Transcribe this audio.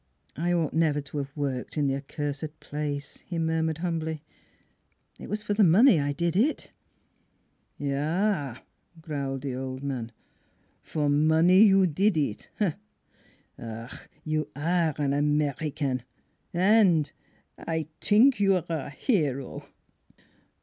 " I ought never to have worked in the accursed place," he murmured humbly. " It was for money I did it." ' Yaf " growled the old man, "for money you did it! Ach ! You are an American, an' I t'ink you are a hero!